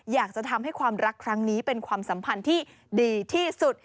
อยากจะทำให้ความรักครั้งนี้เป็นความสัมพันธ์ที่ดีที่สุด